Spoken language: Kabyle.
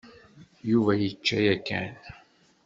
Yuba yečča yakan.